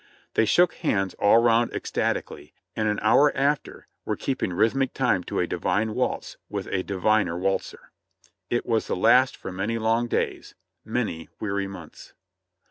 They shook hands all round ecstatically, and an hour after were keeping rhythmic time to a divine waltz with a diviner waltzer ; it was the last for many long days — many weary months.